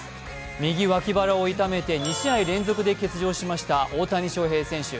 右脇腹を痛めて２試合連続で欠場しました大谷翔平選手。